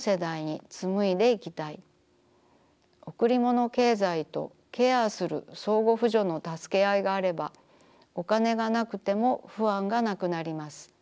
贈りもの経済とケアする相互扶助の助けあいがあればお金がなくても不安がなくなります。